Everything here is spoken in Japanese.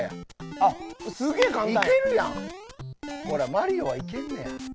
マリオはいけんねや。